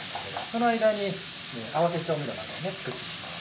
その間に合わせ調味料などを作っていきます。